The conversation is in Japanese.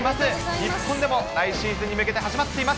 日本でも来シーズンに向けて始まっています。